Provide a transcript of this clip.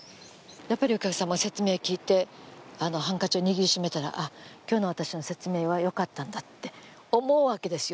やっぱりお客様、説明を聞いてハンカチを握りしめたら、あっ、今日の私の説明はよかったんだって思うわけですよ。